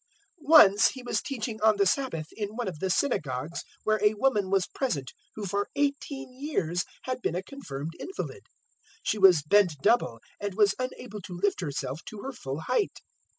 '" 013:010 Once He was teaching on the Sabbath in one of the synagogues 013:011 where a woman was present who for eighteen years had been a confirmed invalid: she was bent double, and was unable to lift herself to her full height.